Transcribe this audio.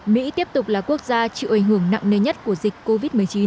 mỹ tiếp tục là quốc gia chịu ảnh hưởng nặng nề nhất của dịch covid một mươi chín